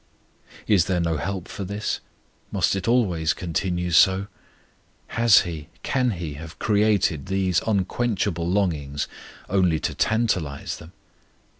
Is there no help for this? must it always continue so? Has He, can He have created these unquenchable longings only to tantalize them?